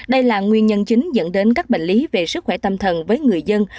đây là nguyên nhân chính dẫn đến các bệnh lý về sức khỏe tâm thần với người dân